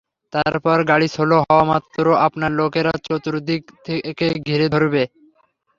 তারপর গাড়ি স্লো হওয়া মাত্র আপনার লোকেরা চতুর্দিক থেকে ঘিরে ধরবে।